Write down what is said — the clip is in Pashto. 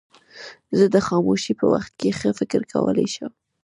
زه د خاموشۍ په وخت کې ښه فکر کولای شم.